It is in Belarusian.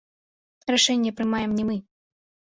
Рашэнне прымаем не мы.